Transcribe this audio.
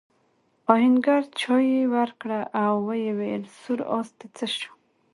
آهنګر چايي ورکړه او وویل سور آس دې څه شو؟